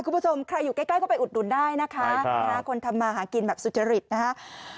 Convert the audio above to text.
คุณผู้ชมใครอยู่ใกล้ก็ไปอุดหนุนได้นะคะคนทำมาหากินแบบสุจริตนะคะ